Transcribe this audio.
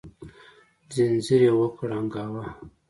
ځنځير يې وکړانګاوه